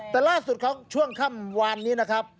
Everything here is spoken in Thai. แต่ล่าสุดของช่วงค่ำวานนี้นะครับ